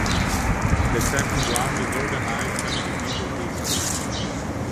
The second round is organised by individual districts.